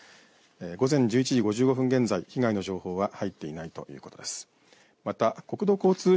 午前１１時５５分現在被害の情報は入っていないということです。